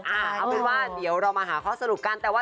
เอาเป็นว่าเดี๋ยวเรามาหาข้อสรุปกันแต่ว่า